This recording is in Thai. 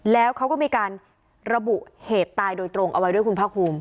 แล้วเขาก็มีการระบุเหตุตายโดยตรงเอาไว้ด้วยคุณภาคภูมิ